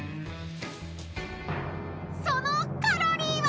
［そのカロリーは］